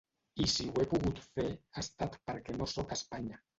I si ho he pogut fer ha estat perquè no sóc a Espanya.